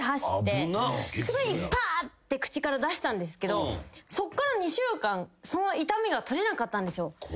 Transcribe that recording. すぐにぱって口から出したんですけどそっから２週間その痛みが取れなかったんですよ。